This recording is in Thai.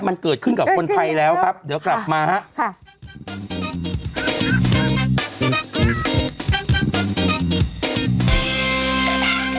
มันเกิดขึ้นกับคนไทยแล้วครับเดี๋ยวกลับมาครับ